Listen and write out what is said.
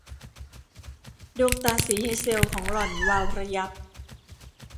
ดวงตาสีเฮเซลของหล่อนวาวระยับ